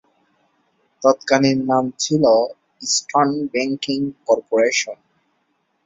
তৎকালীন নাম ছিল "ইস্টার্ন ব্যাংকিং কর্পোরেশন"।